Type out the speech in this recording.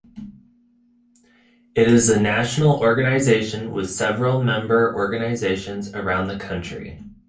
It is a national organization with several member organizations around the country.